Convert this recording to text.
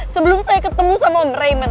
sebelum saya ketemu sama om raymond